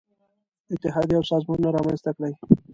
اتحادیې او سازمانونه رامنځته کړي.